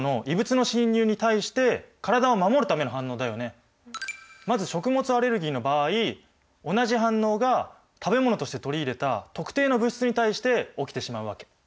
そもそもまず食物アレルギーの場合同じ反応が食べ物として取り入れた特定の物質に対して起きてしまうわけ。